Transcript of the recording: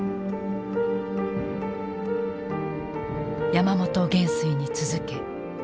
山本元帥に続け。